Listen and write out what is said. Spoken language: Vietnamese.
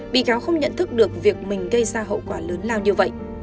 bị cáo không nhận thức được việc mình gây ra hậu quả lớn lao như vậy